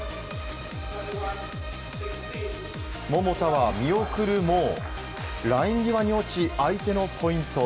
桃田は見送るもライン際に落ち、相手のポイント。